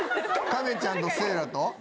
亀ちゃんとせいらと？